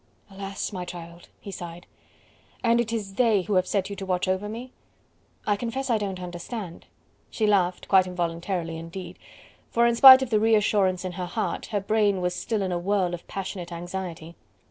"Alas! my child!" he sighed. "And it is 'they' who have set you to watch over me?... I confess I don't understand..." She laughed, quite involuntarily indeed, for in spite of the reassurance in her heart her brain was still in a whirl of passionate anxiety.